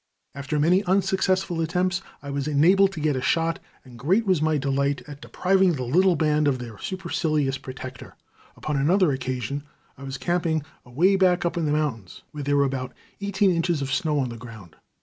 After many unsuccessful attempts, I was enabled to get a shot, and great was my delight at depriving the little band of their supercilious protector. Upon another occasion I was camping away back up in the mountains, where there were about eighteen inches of snow on the ground.